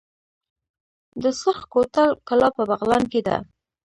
د سرخ کوتل کلا په بغلان کې ده